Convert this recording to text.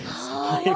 はい。